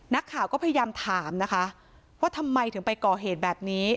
นักข่าวก็พยายามถามนะคะว่าทำไมถึงไปก่อเหตุแบบนี้